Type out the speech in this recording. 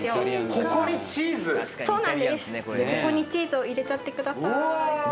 ここにチーズを入れちゃってください。